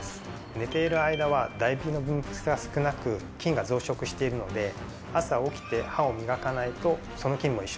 寝ている間は唾液の分泌が少なく菌が増殖しているので朝起きて歯をみがかないとその菌も一緒に飲み込むからです。